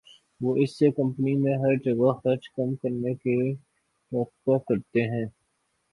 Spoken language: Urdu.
وہ اس سے کمپنی میں ہر جگہ خرچ کم کرنے کی توقع کرتے ہیں